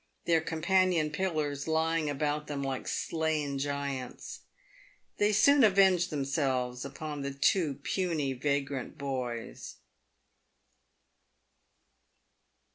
their companion pillars lying about them like slain giants. They soon avenged themselves upon the two puny, vagrant boys.